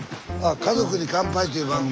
「家族に乾杯」という番組。